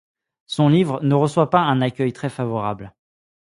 Son livre ne reçoit pas un accueil très favorable.